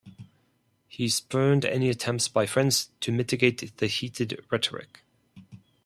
He spurned any attempts by friends to mitigate the heated rhetoric.